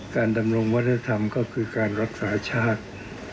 ดำรงวัฒนธรรมก็คือการรักษาชาติ